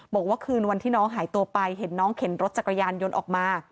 บอกว่าคืนวันที่น้องหายตัวไปเห็นน้องเข็นรถจักรยานยนต์ออกมา